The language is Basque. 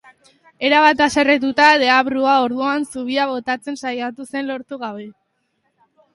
Erabat haserretuta, deabrua, orduan, zubia botatzen saiatu zen, lortu gabe.